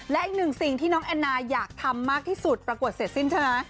และอีกหนึ่งสิ่งที่น้องแอนนาอยากทำมากที่สุดปรากฏเสร็จสิ้นใช่ไหม